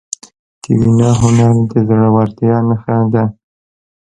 د وینا هنر د زړهورتیا نښه ده.